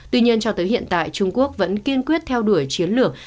tuy nhiên cho tới hiện tại trung quốc vẫn kiên quyết theo đuổi chiến lược